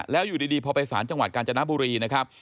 แล้วอยู่ดีพอไปสารจังหวัดกาญจนบุรีนะครับ